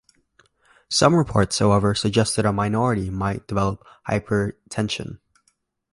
Some reports, however, suggest that a minority might develop hypertension.